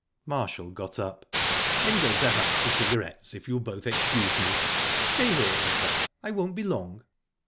Marshall got up. "I'm going to hunt for cigarettes, if you'll both excuse me. Stay here, Isbel. I won't be long."